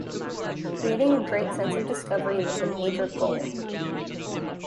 Creating a great sense of discovery was a major goal.